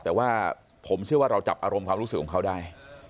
แต่ว่าผมเชื่อว่าเราจับอารมณ์ความรู้สึกของเขาได้